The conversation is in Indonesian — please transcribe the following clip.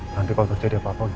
nanti kalau terjadi apa apa